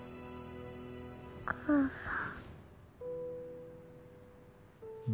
お母さん。